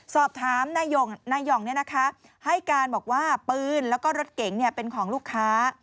สอบถามนาย่องนาย่องนี่นะคะให้การบอกว่าปืนและรถเก๋งเป็นของลูกค้า